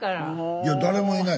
いや誰もいない。